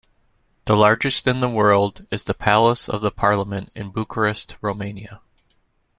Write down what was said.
The largest in the world is the Palace of the Parliament in Bucharest, Romania.